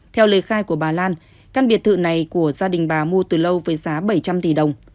theo lời khai của bà lan căn biệt thự này của gia đình bà mua từ lâu với giá bảy trăm linh tỷ đồng